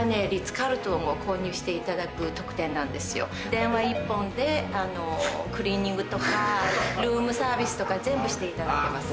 電話一本でクリーニングとかルームサービスとか全部していただけます。